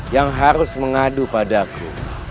yang harus mengadu padaku